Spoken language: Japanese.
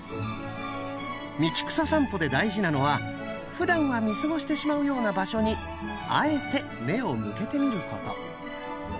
道草さんぽで大事なのはふだんは見過ごしてしまうような場所にあえて目を向けてみること。